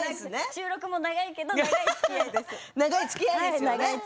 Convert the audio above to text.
収録も長いけど長いつきあいです。